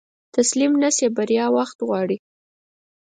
تسليم نشې، بريا وخت غواړي.